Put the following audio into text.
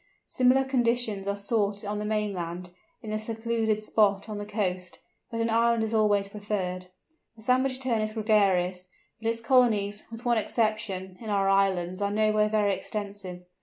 Similar conditions are sought on the mainland, in a secluded spot on the coast, but an island is always preferred. The Sandwich Tern is gregarious, but its colonies, with one exception, in our islands are nowhere very extensive.